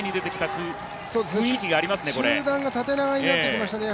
集団が縦長になってきましたね。